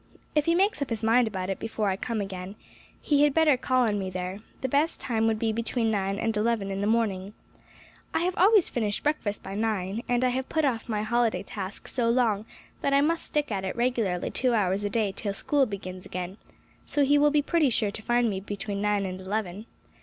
If he makes up his mind about it before I come again, he had better call on me there; the best time would be between nine and eleven in the morning; I have always finished breakfast by nine, and I have put off my holiday task so long, that I must stick at it regularly two hours a day till school begins again, so he will be pretty sure to find me between nine and eleven.